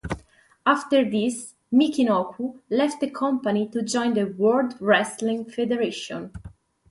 After this Michinoku left the company to join the World Wrestling Federation.